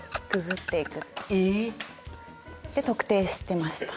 ええっ！で特定してました。